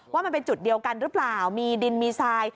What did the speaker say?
ว่ามันเป็นจุดเดียวกันหรือเปล่ามีดินมีทราย